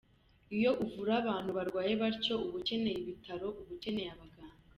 Iyo uvura abantu barwaye batyo uba ukeneye ibitaro, uba ukeneye abaganga.